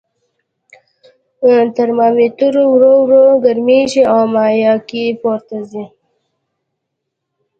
ترمامتر ورو ورو ګرمیږي او مایع پورته ځي.